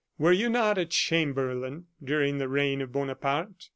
Were you not a chamberlain during the reign of Bonaparte?